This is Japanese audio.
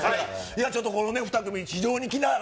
ちょっとこの２組、非常に気になる。